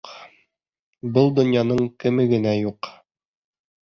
Был донъяның кеме генә юҡ.